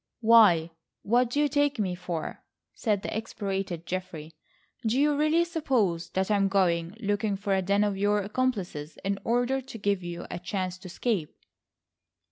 "Why, what do you take me for?" said the exasperated Geoffrey. "Do you really suppose that I am going, looking for a den of your accomplices in order to give you a chance to escape?"